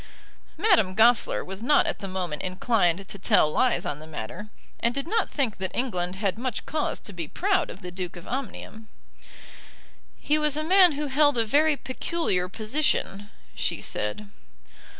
Madame Goesler was not at the moment inclined to tell lies on the matter, and did not think that England had much cause to be proud of the Duke of Omnium. "He was a man who held a very peculiar position," she said.